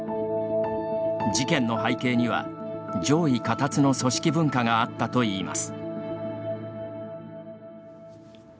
事件の背景には、上意下達の組織文化があったといいます。